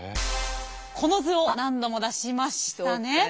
この図を何度も出しましたね。